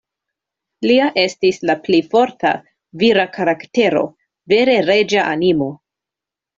Lia estis la pli forta, vira karaktero; vere reĝa animo.